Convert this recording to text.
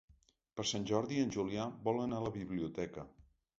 Per Sant Jordi en Julià vol anar a la biblioteca.